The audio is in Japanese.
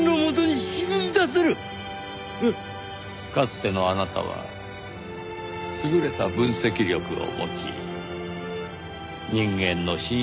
かつてのあなたは優れた分析力を持ち人間の深淵をも理解し。